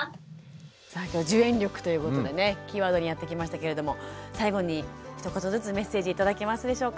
さあ今日は受援力ということでねキーワードにやってきましたけれども最後にひと言ずつメッセージ頂けますでしょうか。